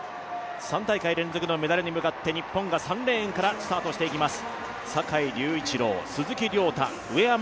３大会連続のメダルに向かって日本が３レーンからスタートしていきます。